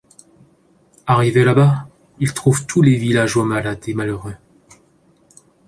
Arrivé là-bas, il trouve tous les villageois malades et malheureux.